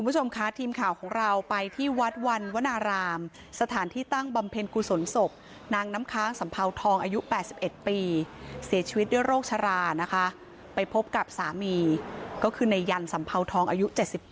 คุณผู้ชมค่ะทีมข่าวของเราไปที่วัดวันวนารามสถานที่ตั้งบำเพ็ญกุศลศพนางน้ำค้างสัมเภาทองอายุ๘๑ปีเสียชีวิตด้วยโรคชรานะคะไปพบกับสามีก็คือในยันสัมเภาทองอายุ๗๘